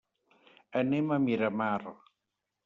Anem a Miramar.